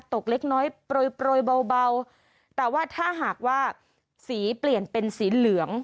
เล็กน้อยโปรยเบาแต่ว่าถ้าหากว่าสีเปลี่ยนเป็นสีเหลือง